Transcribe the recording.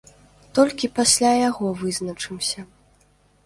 Толькі пасля яго вызначымся.